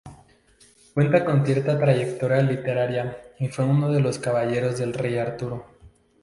Cuenta con cierta trayectoria literaria, y fue uno de los caballeros del rey Arturo.